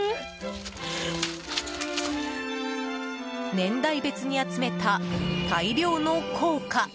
年代別に集めた大量の硬貨。